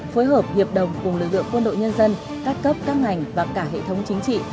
phối hợp hiệp đồng cùng lực lượng quân đội nhân dân các cấp các ngành và cả hệ thống chính trị